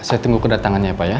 saya tunggu kedatangannya ya pak ya